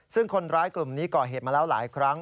ซึ่งคนร้ายกลุ่มนี้ก่อเหตุมาแล้วหลายครั้ง